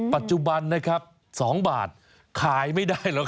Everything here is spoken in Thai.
ปัจจุบันนะครับ๒บาทขายไม่ได้หรอก